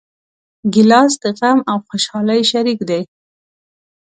ګیلاس د غم او خوشحالۍ شریک دی.